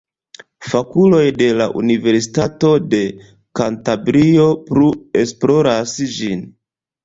Fakuloj de la Universitato de Kantabrio plu esploras ĝin.